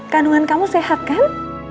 kandungan kamu sehat kan